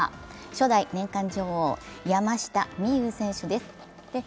初代年間女王、山下美夢有選手です